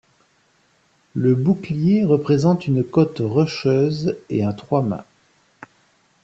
Le bouclier représente une côte rocheuse et un trois-mâts.